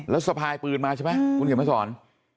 แล้วสะพายปืนมาใช่ไหมคุณเขียนมาสอน